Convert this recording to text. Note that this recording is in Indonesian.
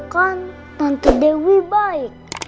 kan tante dewi baik